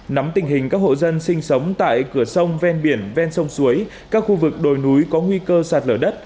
nắm tình hình các hộ dân sinh sống tại cửa sông ven biển ven sông suối các khu vực đồi núi có nguy cơ sạt lở đất